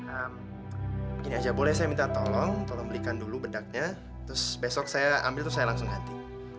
begini aja boleh saya minta tolong tolong belikan dulu bedaknya terus besok saya ambil terus saya langsung hati